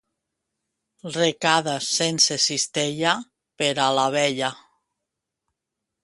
Recades sense cistella, per a la vella.